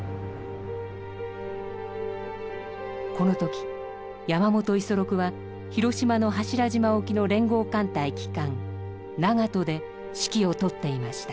この時山本五十六は広島の柱島沖の連合艦隊旗艦「長門」で指揮を執っていました。